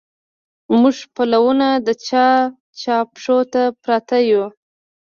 موږه پلونه د چا، چا پښو ته پراته يو